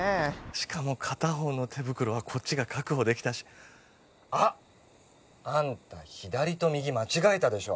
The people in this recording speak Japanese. しかも片方の手袋はこっちが確保できたしあっあんた左と右間違えたでしょ